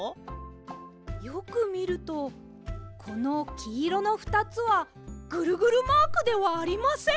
よくみるとこのきいろのふたつはぐるぐるマークではありません。